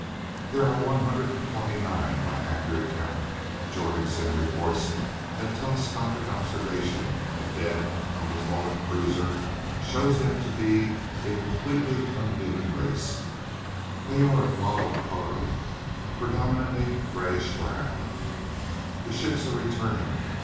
There are one hundred and twenty nine by accurate count. Jorgsen reports that telescopic observation of the dead on the fallen cruiser show them to be a completely un human race! They are of mottled coloring, predominately grayish brown. The ships are returning.